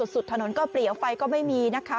สุดถนนก็เปรียวไฟก็ไม่มีนะคะ